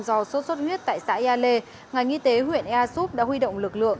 do sốt xuất huyết tại xã ea lê ngành y tế huyện ea súp đã huy động lực lượng